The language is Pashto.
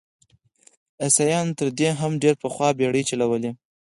اسیایانو تر دې هم ډېر پخوا بېړۍ چلولې.